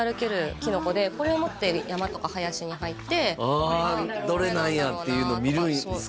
「キノコ」でこれを持って山とか林に入ってああどれなんやっていうの見るんすか？